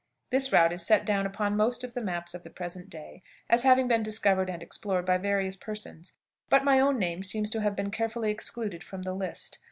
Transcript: This route is set down upon most of the maps of the present day as having been discovered and explored by various persons, but my own name seems to have been carefully excluded from the list.